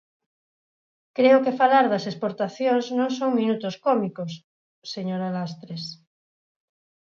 Creo que falar das exportacións non son minutos cómicos, señora Lastres.